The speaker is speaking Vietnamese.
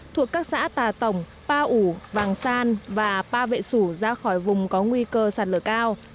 thuộc các xã tà tổng pa ủ vàng san và pa vệ sủ ra khỏi vùng có nguy cơ sạt lở cao